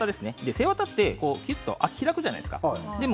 背わたって開くじゃないですか